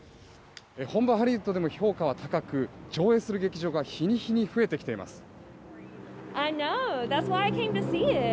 本場ハリウッドでも評価は高く上映する劇場が日に日に増えてきています。